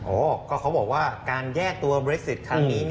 อ๋อก็เขาบอกว่าการแยกตัวเบรสิตครั้งนี้